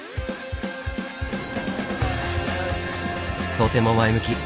とても前向き。